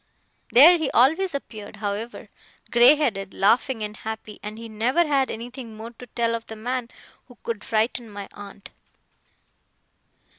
There he always appeared, however, grey headed, laughing, and happy; and he never had anything more to tell of the man who could frighten my aunt.